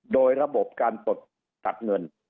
โดยระบบการต่ำกว่าตัดเงิน